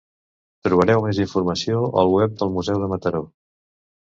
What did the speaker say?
Trobareu més informació al web del Museu de Mataró.